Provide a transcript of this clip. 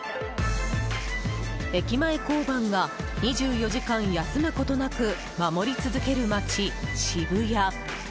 駅前交番が２４時間休むことなく守り続ける街、渋谷。